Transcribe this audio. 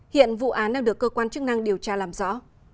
hiện vụ án đang được cơ quan chức năng điều tra làm rõ